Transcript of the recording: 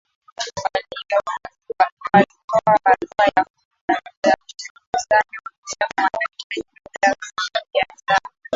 Walitoa barua kwa upinzani wakisema wanahitaji muda kujiandaa